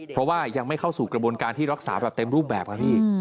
เพราะว่ายังไม่เข้าสู่กระบวนการที่รักษาแบบเต็มรูปแบบครับพี่